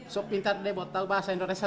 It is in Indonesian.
sop pintar deh buat tahu bahasa indonesia